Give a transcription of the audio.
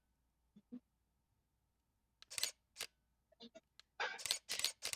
Vifo kwa wanyama ni dalili za ugonjwa wa ndigana baridi